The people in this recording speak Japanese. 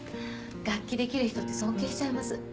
楽器できる人って尊敬しちゃいます。